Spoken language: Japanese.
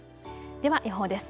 では予報です。